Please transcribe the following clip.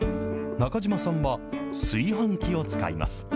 中島さんは炊飯器を使います。